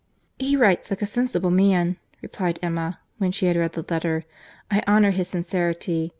"He writes like a sensible man," replied Emma, when she had read the letter. "I honour his sincerity.